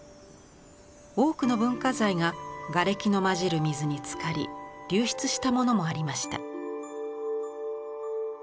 多くの文化財ががれきのまじる水につかり流出したものもありました。